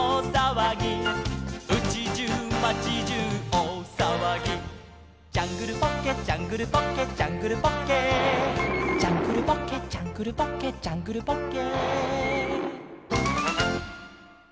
「うちじゅう町じゅうおおさわぎ」「ジャングルポッケジャングルポッケ」「ジャングルポッケ」「ジャングルポッケジャングルポッケ」「ジャングルポッケ」